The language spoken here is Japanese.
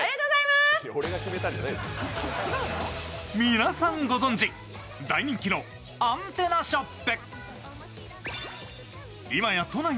皆さんご存じ、大人気のアンテナショップ。